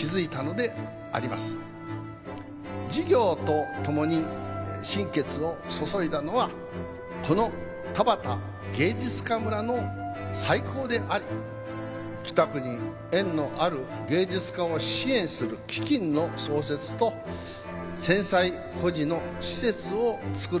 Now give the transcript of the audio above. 「事業とともに心血を注いだのはこの田端芸術家村の再興であり北区に縁のある芸術家を支援する基金の創設と戦災孤児の施設を作る事でありました」